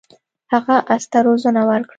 هغه اس ته روزنه ورکړه.